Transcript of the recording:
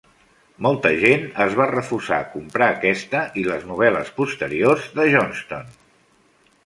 Molta gent es va refusar comprar aquesta i les novel·les posteriors de Johnston.